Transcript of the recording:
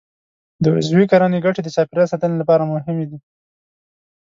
د عضوي کرنې ګټې د چاپېریال ساتنې لپاره مهمې دي.